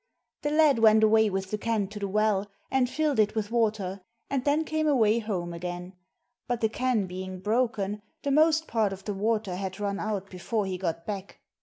The lad went away with the can to the well, and filled it with water, and then came away home again ; but the can being broken, the most part of the water had run out before he got back.